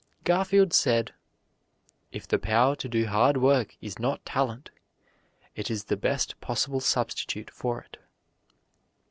Garfield said, "If the power to do hard work is not talent, it is the best possible substitute for it."